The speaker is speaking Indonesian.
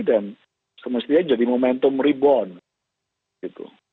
dan semestinya jadi momentum rebound